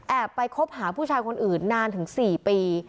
ไปคบหาผู้ชายคนอื่นนานถึง๔ปี